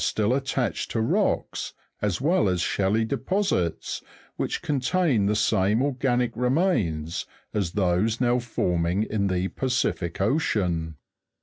still attached to rocks, as well as shelly deposits, which contain the same organic remains as those now forming in the Pacific Ocean.